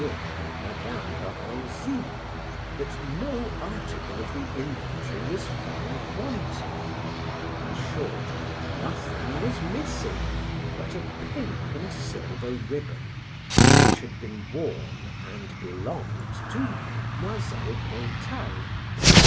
and Madam Lorenzy, that no article of the inventory was found wanting; in short, nothing was missing but a pink and silver ribbon, which had been worn, and belonged to Mademoiselle Pontal.